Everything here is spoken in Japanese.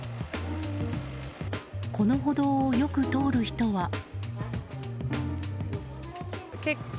この歩道をよく通る人は。